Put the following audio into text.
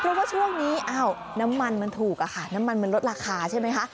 เพราะว่าช่วงนี้อ้าวน้ำมันมันถูกอะค่ะน้ำมันมันลดราคาใช่ไหมคะ